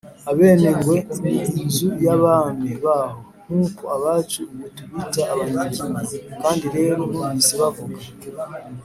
abenengwe, ni inzu y’abami baho, nk’uko abacu ubu tubita abanyiginya. kandi rero numvise bavuga